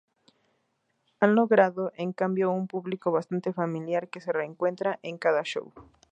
Ha logrado, en cambio, un público bastante "familiar" que se "reencuentra" en cada show.